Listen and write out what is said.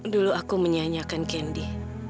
dulu aku menyanyiakan candy